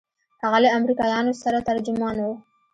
هغه له امريکايانو سره ترجمان و.